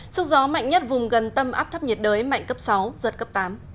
sức gió mạnh nhất vùng gần tâm áp thấp nhiệt đới mạnh cấp sáu giật cấp tám